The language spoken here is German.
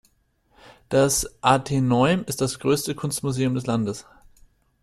Das Ateneum ist das größte Kunstmuseum des Landes.